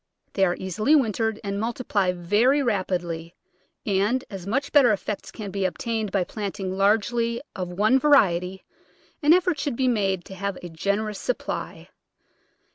They are easily wintered and multiply very rapidly; and, as much better effects can be obtained by plant ing largely of one variety, an effort should be made to have a generous supply.